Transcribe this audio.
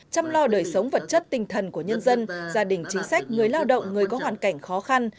chăm lo đời sống vật chất tinh thần của nhân dân gia đình chính sách người lao động người có hoàn cảnh khó khăn